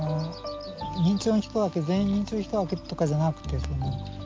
認知症の人だけ全員認知症の人だけとかじゃなくてですね